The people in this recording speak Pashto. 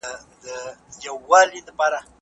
صنعتي کاروبار څنګه د تولید کچه کنټرولوي؟